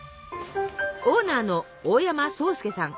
オーナーの大山颯介さん。